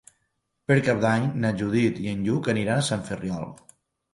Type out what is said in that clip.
Per Cap d'Any na Judit i en Lluc aniran a Sant Ferriol.